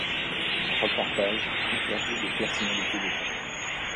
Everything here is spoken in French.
Reportages, interview de personnalités de l’île.